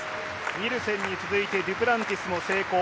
ニルセンに続いてデュプランティスも成功。